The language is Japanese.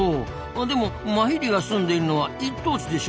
でもマヒリが住んでるのは一等地でしょ。